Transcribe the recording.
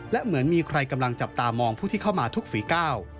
และเหมือนมีใครกำลังจับตามองผู้ที่เข้ามาทุกฝีก้าว